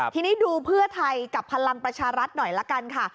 ทีนี้ดูเพื่อไทยกับพลังประชารัฐหน่อยละกันค่ะ